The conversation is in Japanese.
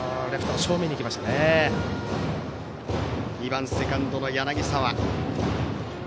打席には２番セカンドの柳澤。